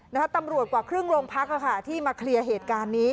ตำรวจกว่าครึ่งโรงพักค่ะที่มาเคลียร์เหตุการณ์นี้